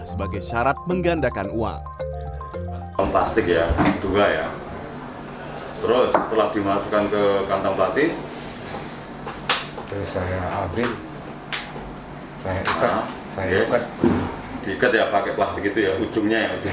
sebagai syarat menggandakan uang